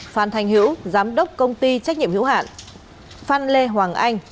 phan thành hữu giám đốc công ty trách nhiệm hữu hạn phan lê hoàng anh